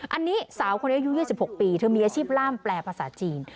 อันนี้สาวคนนี้อายุ๒๖ปีเธอมีอาชีพล่ามแปลภาษาจีน